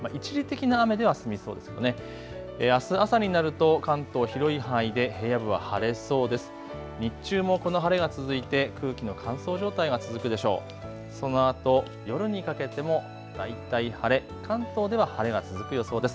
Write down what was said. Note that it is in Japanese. あす朝になると関東、広い範囲で平野部は晴れそうです。